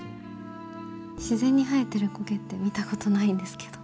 自然に生えてる苔って見たことないんですけど。